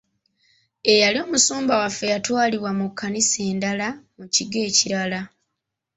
Eyali omusumba waffe yatwalibwa mu kkanisa endala mu kigo ekirala.